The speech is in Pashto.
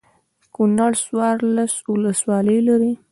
کنړ څوارلس ولسوالۍ لري.